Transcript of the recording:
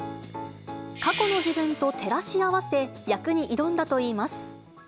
過去の自分と照らし合わせ、役に挑んだといいます。